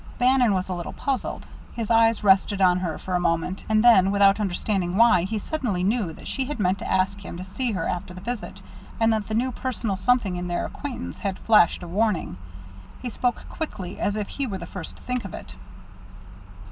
Bannon was a little puzzled. His eyes rested on her for a moment, and then, without understanding why, he suddenly knew that she had meant to ask him to see her after the visit, and that the new personal something in their acquaintance had flashed a warning. He spoke quickly, as if he were the first to think of it.